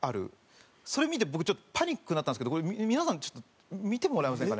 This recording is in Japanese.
それ見て僕ちょっとパニックになったんですけど皆さんちょっと見てもらえませんかね？